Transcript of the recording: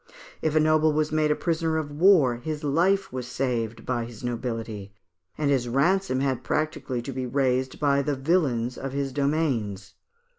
If a noble was made a prisoner of war, his life was saved by his nobility, and his ransom had practically to be raised by the "vilains" of his domains.